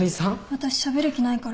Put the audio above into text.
私しゃべる気ないから。